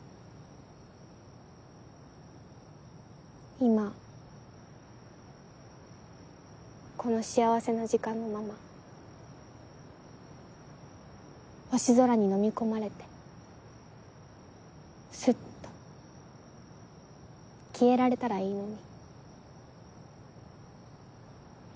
今この幸せな時間のまま星空にのみ込まれてすっと消えられたらいいのに。